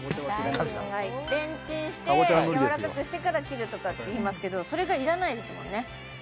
レンチンしてやわらかくしてから切るとかっていいますけどそれがいらないですもんね